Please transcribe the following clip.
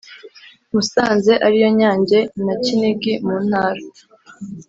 Musanze ariyo Nyange na Kinigi mu Ntara